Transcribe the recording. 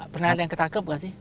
pernah ada yang ketangkep nggak sih